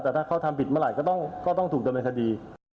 แต่ถ้าเขาทำผิดเมื่อไหร่ก็ต้องถูกดำเนินคดี